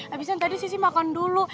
abisan tadi sissy makan dulu